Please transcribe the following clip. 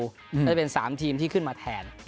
น่าจะเป็น๓ทีมที่ขึ้นมาแทน